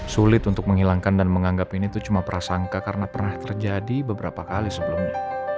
sulit untuk menghilangkan dan menganggap ini itu cuma prasangka karena pernah terjadi beberapa kali sebelumnya